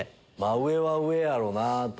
上は上やろなぁと。